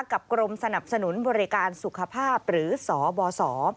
กรมสนับสนุนบริการสุขภาพหรือสบส